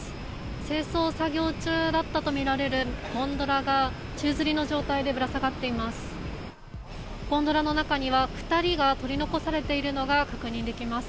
清掃作業中だったと見られるゴンドラが、宙づりの状態でぶら下がっています。